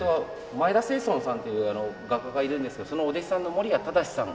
前田青邨さんっていう画家がいるんですけどそのお弟子さんの守屋多々志さん。